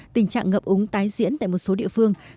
tình trạng ngập úng tái diễn tại một số địa phương